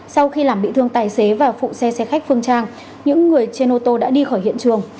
sau khi làm bị thương tài xế và phụ xe xe khách phương trang những người trên ô tô đã đi khỏi hiện trường